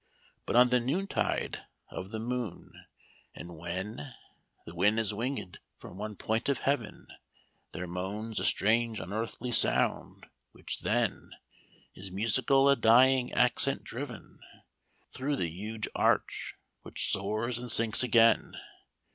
"But on the noontide of the moon, and when The wind is winged from one point of heaven, There moans a strange unearthly sound, which then Is musical a dying accent driven Through the huge arch, which soars and sinks again.